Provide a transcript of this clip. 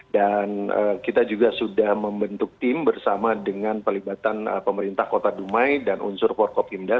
dan kita juga sudah membentuk tim bersama dengan pelibatan pemerintah kota dumai dan unsur porkopimda